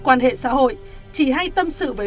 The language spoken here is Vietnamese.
quan hệ xã hội chỉ hay tâm sự với